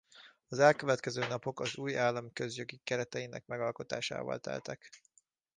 Az elkövetkező napok az új állam közjogi kereteinek megalkotásával teltek.